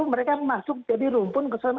mereka masuk jadi rumpun kesana